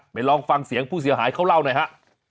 ลองฟังเสียงผู้เสียหายเขาเล่าหน่อยฮะ